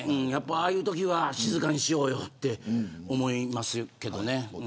ああいうときは静かにしようよと思いますけど。